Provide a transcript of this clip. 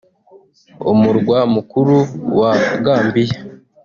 umurwa mukuru wa Gambia